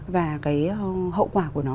và cái hậu quả của nó